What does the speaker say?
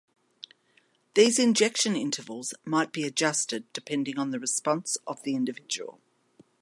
These injection intervals might be adjusted depending on the response of the individual.